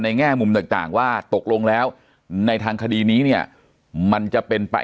แง่มุมต่างว่าตกลงแล้วในทางคดีนี้เนี่ยมันจะเป็นไป